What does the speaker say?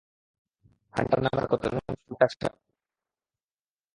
Hunter নামের কতজন student আছে আপনার?